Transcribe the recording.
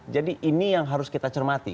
jadi ini yang harus kita cermati